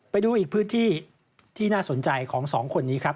ไปดูอีกพื้นที่ที่น่าสนใจของสองคนนี้ครับ